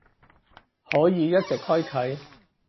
可以一直開啟